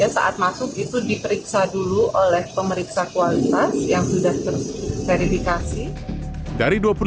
saat masuk itu diperiksa dulu oleh pemeriksa kualitas yang sudah terverifikasi